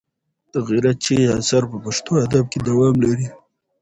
د غیرت چغې اثر په پښتو ادب کې دوام لري.